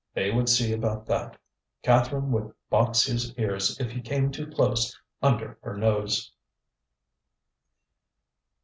They would see about that. Catherine would box his ears if he came too close under her nose.